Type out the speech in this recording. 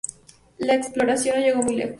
La exploración no llegó muy lejos.